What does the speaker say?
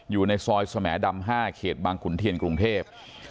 อยู่ในซอยสมดำ๕เขตบางขุนเทียนกรุงเทพ